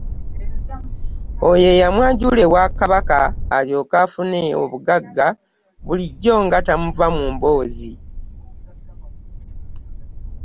Oyo eyamwanjula ewa Kabaka alyoke afune obugagga bulijjo nga tamuva mu mboozi.